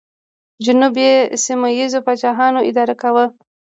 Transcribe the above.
جنوب یې سیمه ییزو پاچاهانو اداره کاوه